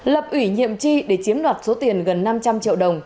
lập ủy nhiệm tri để chiếm đoạt số tiền gần năm trăm linh triệu đồng